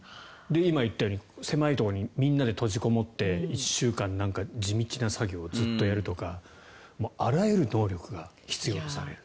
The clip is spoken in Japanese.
今言ったように狭いところにみんなで閉じこもって１週間地道な作業をずっとやるとかあらゆる能力が必要とされる。